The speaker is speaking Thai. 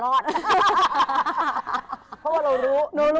เพราะว่าเรารู้